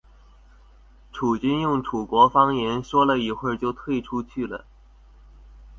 楚军用楚国方言说了一会就退出去了。